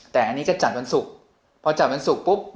แต่อันนี้จะจัดวันศุกร์พอจัดวันศุกร์ปุ๊บ